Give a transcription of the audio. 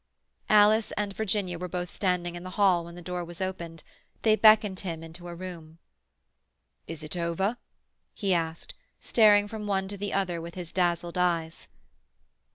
Alice and Virginia were both standing in the hall when the door was opened; they beckoned him into a room. "Is it over?" he asked, staring from one to the other with his dazzled eyes.